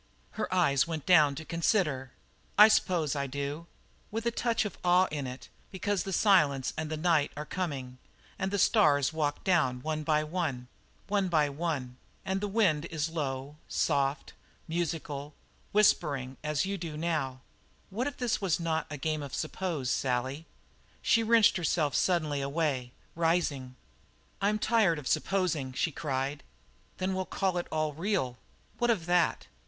Her eyes went down to consider. "I s'pose I do." "With a touch of awe in it, because the silence and the night are coming, and the stars walk down, one by one one by one. And the wind is low, soft, musical, whispering, as you do now What if this were not a game of suppose, Sally?" She wrenched herself suddenly away, rising. "I'm tired of supposing!" she cried. "Then we'll call it all real. What of that?"